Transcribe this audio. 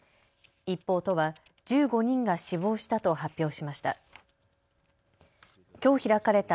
一方、都は１５人が死亡したと発表しました。